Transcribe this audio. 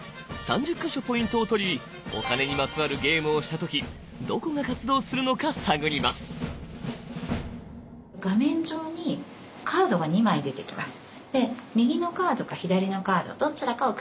３０か所ポイントを取りお金にまつわるゲームをした時どこが活動するのか探ります。